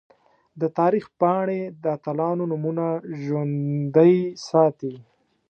د تاریخ پاڼې د اتلانو نومونه ژوندۍ ساتي.